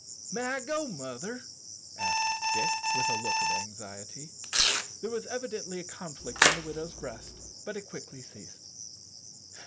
"May I go, mother?" asked Dick, with a look of anxiety. There was evidently a conflict in the widow's breast, but it quickly ceased.